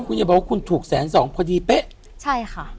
คุณอย่าบอกว่าคุณถูกแสนสองพอดีเป๊ะใช่ค่ะ